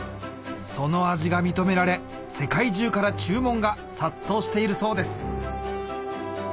その味が認められ世界中から注文が殺到しているそうです